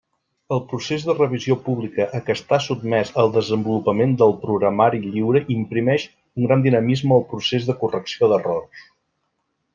El procés de revisió pública a què està sotmès el desenvolupament del programari lliure imprimeix un gran dinamisme al procés de correcció d'errors.